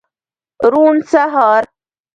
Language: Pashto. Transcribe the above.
روڼ سهار